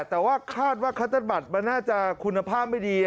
แต่ว่าคาดว่าคัตเตอร์บัตรมันน่าจะคุณภาพไม่ดี